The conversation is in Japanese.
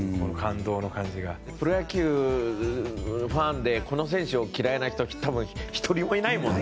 プロ野球のファンでこの選手を嫌いな人多分、１人もいないもんね。